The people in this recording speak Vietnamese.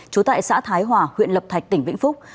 trú tại xã thái hòa huyện lập thạch tỉnh vĩnh phúc